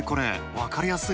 分かりやすい。